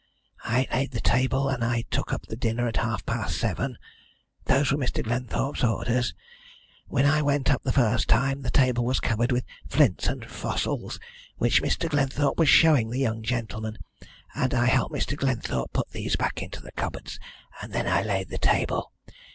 "I laid the table, and took up the dinner at half past seven. Those were Mr. Glenthorpe's orders. When I went up the first time the table was covered with flints and fossils, which Mr. Glenthorpe was showing the young gentleman, and I helped Mr. Glenthorpe put these back into the cupboards, and then I laid the table.